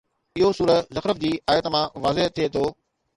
اهو سوره زخرف جي آيت مان واضح ٿئي ٿو